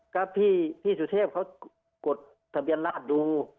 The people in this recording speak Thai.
ก็พี่สุเทพเขากดทะเบียนราชดู